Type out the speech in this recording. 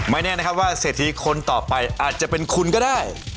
แน่นะครับว่าเศรษฐีคนต่อไปอาจจะเป็นคุณก็ได้